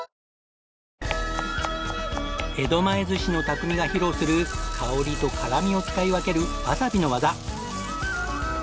江戸前寿司の匠が披露する香りと辛味を使い分けるわさびの技。